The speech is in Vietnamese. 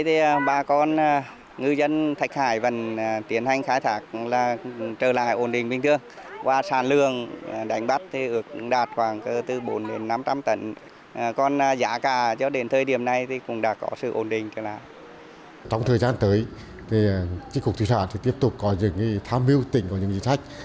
trong thời gian tới chính cục thủy sản sẽ tiếp tục có những thám mưu tỉnh có những chính sách